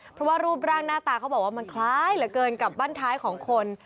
เพราะว่ารูปร่างหน้าตาเขาบอกว่ามันคล้ายเหลือเกินกับบ้านท้ายของคน